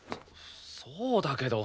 そそうだけど。